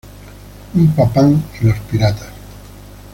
Umpa-pah y los piratas.